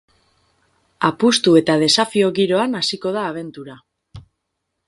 Apustu eta desafio giroan hasiko da abentura.